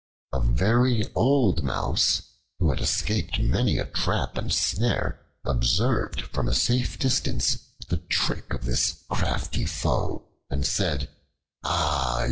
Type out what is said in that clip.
A very old Mouse, who had escaped many a trap and snare, observed from a safe distance the trick of his crafty foe and said, "Ah!